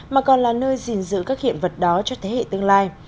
mà còn là nơi gìn giữ các hiện vật đó cho thế hệ tương lai